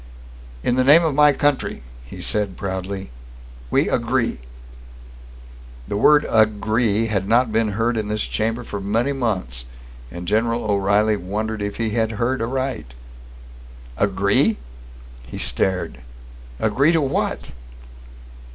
"In the name of my country," he said proudly, "we agree!" The word "agree" had not been heard in this chamber for many months, and General O'Reilly wondered if he had heard aright. "Agree?" he stared. "Agree to what?"